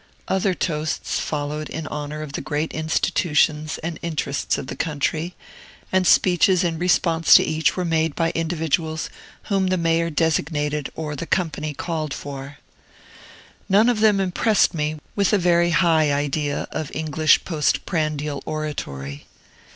Other toasts followed in honor of the great institutions and interests of the country, and speeches in response to each were made by individuals whom the Mayor designated or the company called for. None of them impressed me with a very high idea of English postprandial oratory.